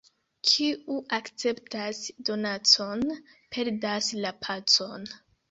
Kiu akceptas donacon, perdas la pacon.